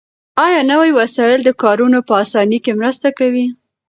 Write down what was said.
آیا نوي وسایل د کارونو په اسانۍ کې مرسته کوي؟